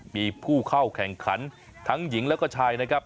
มีผู้เข้าแข่งขันทั้งหญิงแล้วก็ชายนะครับ